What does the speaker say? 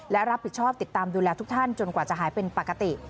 และรับผิดชอบติดตามดูแลทุกท่านจนกว่าจะหายเป็นปกติ